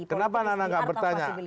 kenapa nana gak bertanya